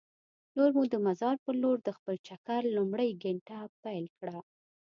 نور مو د مزار په لور د خپل چکر لومړۍ ګېنټه پیل کړه.